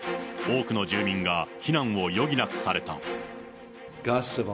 多くの住民が避難を余儀なくされた。